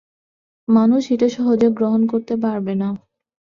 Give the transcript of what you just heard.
মানুষ এটা সহজে গ্রহণ করতে পারবে না।